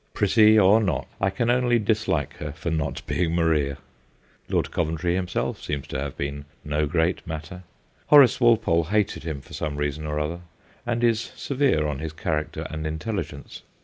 Pretty or not, I can 150 THE GHOSTS OF PICCADILLY only dislike her for not being Maria. Lord Coventry himself seems to have been no great matter. Horace Walpole hated him for some reason or other, and is severe on his character and intelligence.